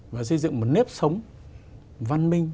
và xây dựng một nếp sống văn minh